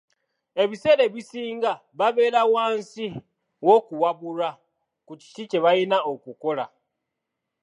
Ebiseera ebisinga babeera wansi w’okuwabulwa ku kiki kye balina okukola.